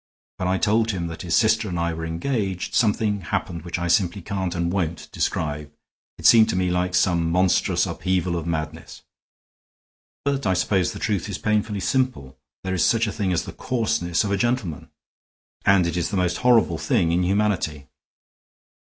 When I told him that his sister and I were engaged, something happened which I simply can't and won't describe. It seemed to me like some monstrous upheaval of madness. But I suppose the truth is painfully simple. There is such a thing as the coarseness of a gentleman. And it is the most horrible thing in humanity."